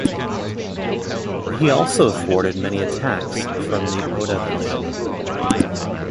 He also thwarted many attacks from the Oda clan.